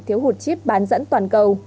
thiếu hụt chip bán dẫn toàn cầu